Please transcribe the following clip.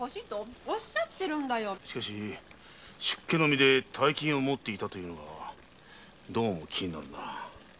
しかし出家の身で大金を持っていたというのがどうも気になる。